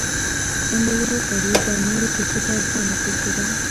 خوندورو خوړو به نورو کیسو ته اړتیا نه پرېښوده.